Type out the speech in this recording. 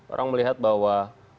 orang melihat bahwa